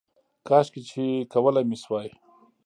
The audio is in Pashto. کاشکې چې کولی مې شوای